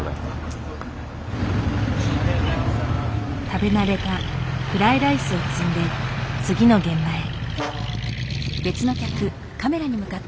食べ慣れたフライライスを積んで次の現場へ。